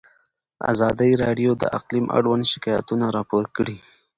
ازادي راډیو د اقلیم اړوند شکایتونه راپور کړي.